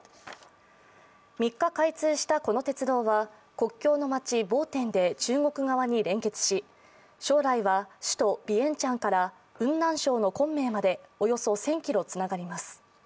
３日、開通したこの鉄道は国境の街・ボーテンで中国側に連結し将来は首都ビエンチャンから雲南省の昆明までおよそ１０００ｋｍつながります。